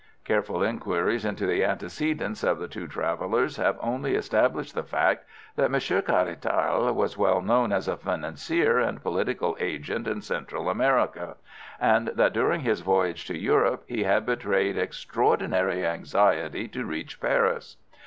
Careful inquiries into the antecedents of the two travellers have only established the fact that Monsieur Caratal was well known as a financier and political agent in Central America, and that during his voyage to Europe he had betrayed extraordinary anxiety to reach Paris.